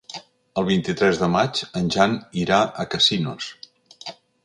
El vint-i-tres de maig en Jan irà a Casinos.